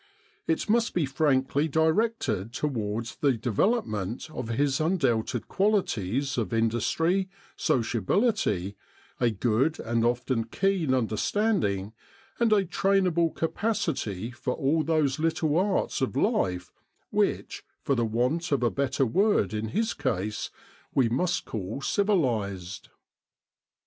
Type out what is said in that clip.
It must be frankly directed towards the development of his undoubted qualities of industry, sociability, a good and often keen under T 293 With the R.A.M.C. in Egypt Sr standing, and a trainable capacity for all those little arts of life which, for want of a better word in his case, we must call % civilised.